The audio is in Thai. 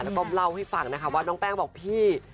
แล้วก็เล่าให้ฟังนะคะว่าน้องแป้งบอกพี่